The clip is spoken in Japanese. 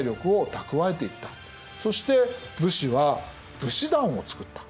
そして武士は武士団を作った。